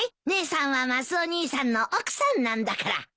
姉さんはマスオ兄さんの奥さんなんだから。